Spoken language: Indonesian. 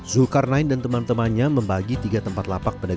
zulkarnain dan teman temannya membagi tiga tempat lapang ikan hias